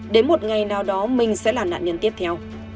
đến một ngày nào đó minh sẽ là nạn nhân tiếp theo